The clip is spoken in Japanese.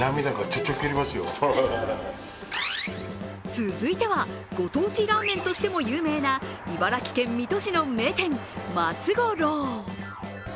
続いては、ご当地ラーメンとしても有名な、茨城県水戸市の名店・松五郎。